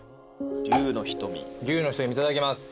龍の瞳いただきます。